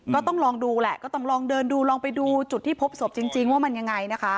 ก็ต้องลองดูแหละก็ต้องลองเดินดูลองไปดูจุดที่พบศพจริงว่ามันยังไงนะคะ